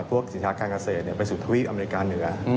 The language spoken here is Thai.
พวกสินค้าการเกษตรไปสู่ทวีปอเมริกาเหนือ